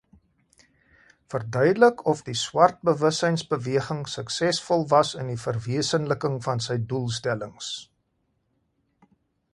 Verduidelik of die Swartbewussynsbeweging suksesvol was in die verwesenliking van sy doelstellings.